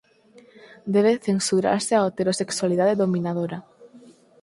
Debe censurarse a heterosexualidade dominadora.